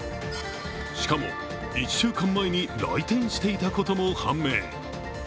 しかも、１週間前に来店していたことも判明。